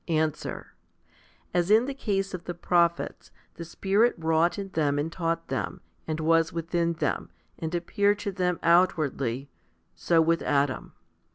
Answer. As in the case of the prophets, the Spirit wrought in them and taught them, and was within them, and appeared to them outwardly, so with Adam.